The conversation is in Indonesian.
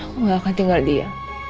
aku nggak akan tinggal dia